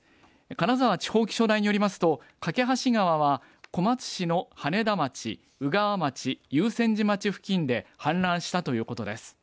金沢地方気象台によりますと、梯川は小松市の埴田町、鵜川町、遊泉寺町付近で氾濫したということです。